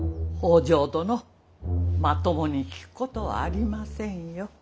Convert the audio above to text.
北条殿まともに聞くことはありませんよ。